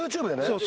そう。